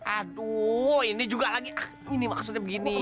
aduh ini juga lagi ini maksudnya begini